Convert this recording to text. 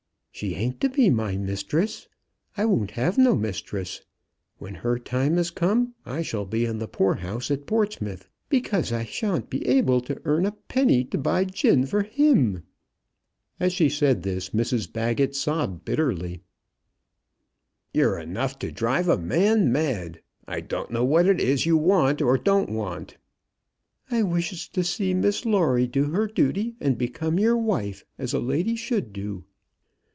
"She ain't to be my mistress. I won't have no mistress. When her time is come, I shall be in the poorhouse at Portsmouth, because I shan't be able to earn a penny to buy gin for him." As she said this, Mrs Baggett sobbed bitterly. "You're enough to drive a man mad. I don't know what it is you want, or you don't want." "I wishes to see Miss Lawrie do her dooty, and become your wife, as a lady should do.